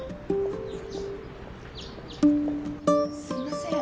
すいません。